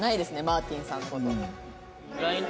マーティンさんの事。